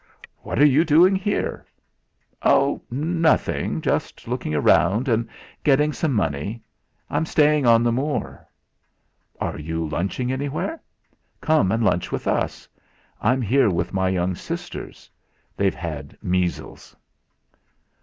"What are you doing here?" "Oh! nothing. Just looking round, and getting some money. I'm staying on the moor." "Are you lunching anywhere? Come and lunch with us; I'm here with my young sisters. They've had measles."